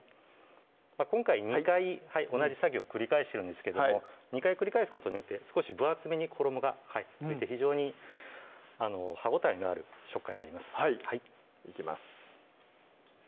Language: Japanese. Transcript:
今回２回同じ作業を繰り返してるんですけども２回繰り返すことによって少し分厚めに衣が付いて非常に歯応えのある食感になりますいきます